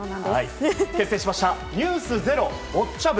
結成しました「ｎｅｗｓｚｅｒｏ」ボッチャ部。